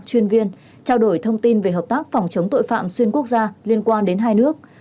chuyên viên trao đổi thông tin về hợp tác phòng chống tội phạm xuyên quốc gia liên quan đến hai nước